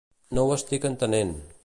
No ho estic entenent.